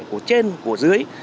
của trên của dưới